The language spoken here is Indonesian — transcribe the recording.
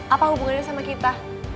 apa hubungannya sama kita